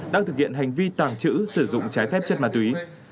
đang thực hiện hành vi tàng trữ sử dụng trái phép chất ma túy